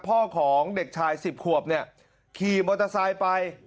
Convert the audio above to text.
พ่อของเด็กชาย๑๐ขวบเนี่ยขี่มอเตอร์ไซค์ไป